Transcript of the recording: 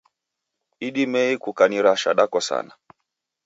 Idimei ukanirasha dakosana